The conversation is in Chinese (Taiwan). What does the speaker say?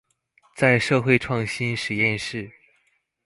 在社會創新實驗室